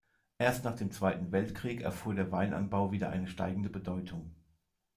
Erst nach dem Zweiten Weltkrieg erfuhr der Weinanbau wieder eine steigende Bedeutung.